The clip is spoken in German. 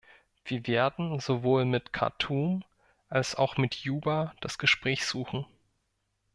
Wir werden sowohl mit Khartum als auch mit Juba das Gespräch suchen.